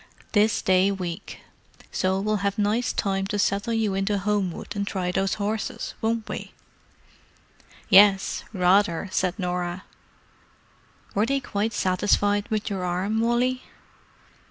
"This day week. So we'll have nice time to settle you into Homewood and try those horses, won't we?" "Yes, rather!" said Norah. "Were they quite satisfied with your arm, Wally?"